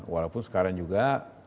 walaupun sekarang juga